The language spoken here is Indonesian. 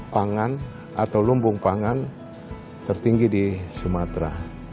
pangan atau lumbung pangan tertinggi di sumatera